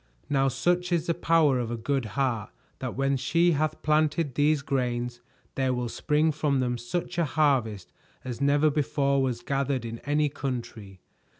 Now such is the power of a good heart that when she hath planted these grains, there will spring from them such a harvest as never before was gathered in any country.